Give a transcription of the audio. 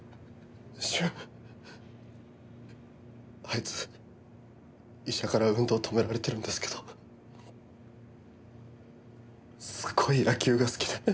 あいつ医者から運動止められてるんですけどすごい野球が好きで。